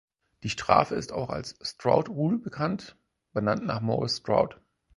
Diese Strafe ist auch als "Stroud Rule" bekannt, benannt nach Morris Stroud.